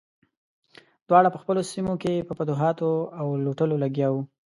دواړه په خپلو سیمو کې په فتوحاتو او لوټلو لګیا وو.